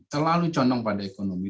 terlalu condong pada ekonomi